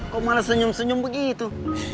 kok malah senyum senyum begitu